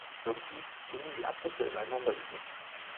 Irgendwie gingen die Absätze ineinander über.